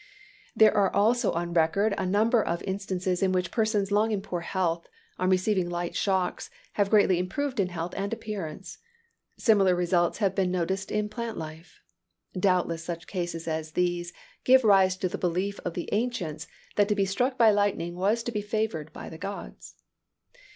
There are also on record a number of instances in which persons long in poor health, on receiving light shocks, have greatly improved in health and appearance. Similar results have been noticed in plant life. Doubtless such cases as these gave rise to the belief of the ancients, that to be struck by lightning was to be favored by the gods.